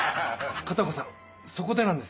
片岡さん